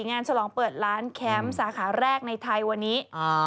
ฉลองเปิดร้านแคมป์สาขาแรกในไทยวันนี้